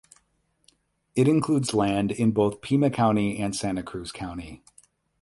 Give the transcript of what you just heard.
It includes land in both Pima County and Santa Cruz County.